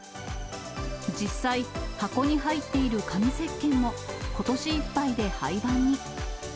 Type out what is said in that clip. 実際、箱に入っているかみせっけんも、ことしいっぱいで廃番に。